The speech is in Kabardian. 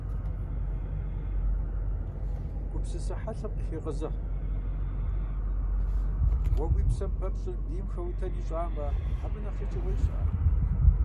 Гупсысэ хьэлъэм къыхегъэзыхь: уэ уи псэм пэпщӀыр бийм хэутэн ищӀамэ, абы нэхъ шэчыгъуей щыӀэ?!